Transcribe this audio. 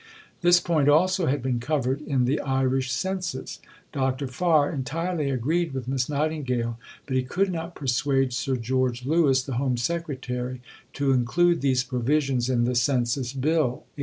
This point also had been covered in the Irish Census. Dr. Farr entirely agreed with Miss Nightingale, but he could not persuade Sir George Lewis, the Home Secretary, to include these provisions in the Census Bill (1860).